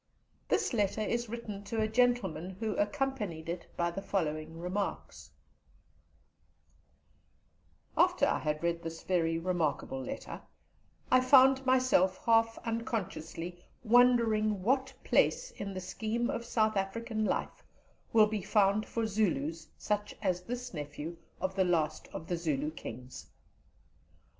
This letter is written to a gentleman, who accompanied it by the following remarks: "After I had read this very remarkable letter, I found myself half unconsciously wondering what place in the scheme of South African life will be found for Zulus such as this nephew of the last of the Zulu Kings.